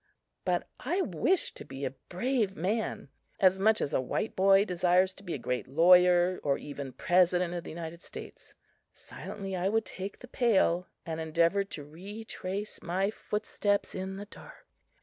But I wished to be a brave man as much as a white boy desires to be a great lawyer or even President of the United States. Silently I would take the pail and endeavor to retrace my footsteps in the dark.